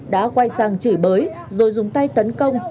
đã quay sang chửi bới rồi dùng tay tấn công